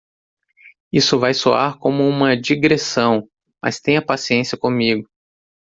Isso vai soar como uma digressão?, mas tenha paciência comigo.